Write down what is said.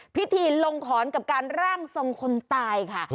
พิธีลงขอนกับการร่างทรงคนตายค่ะ